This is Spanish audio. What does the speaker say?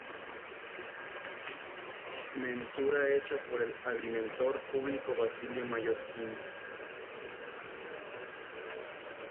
Mensura hecha por el Agrimensor Público Basilio Mallorquín.